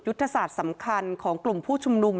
ศาสตร์สำคัญของกลุ่มผู้ชุมนุม